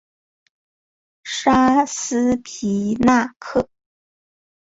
沙斯皮纳克。